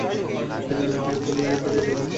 তিনি ইবনে কুময়ার দিকে এগিয়ে যান।